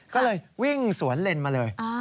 ก็เลยวิ่งสวนเลนมาเลย